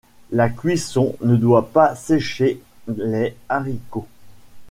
La cuisson ne doit pas sécher les haricots.